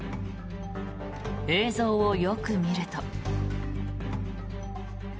映像をよく見ると。